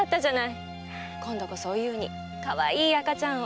今度こそおゆうにかわいい赤ちゃんを。